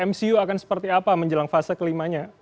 mcu akan seperti apa menjelang fase kelimanya